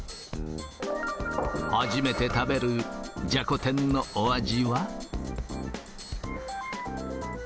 初めて食べるじゃこ天のお味は？